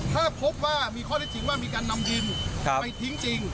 ถ้าพบว่ามีข้อได้จริงว่ามีการนำดินไปทิ้งจริง